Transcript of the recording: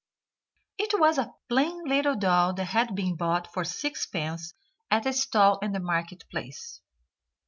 It was a plain little doll that had been bought for sixpence at a stall in the market place.